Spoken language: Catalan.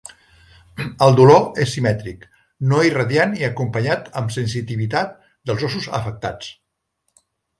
El dolor és simètric, no irradiant i acompanyat amb sensitivitat dels ossos afectats.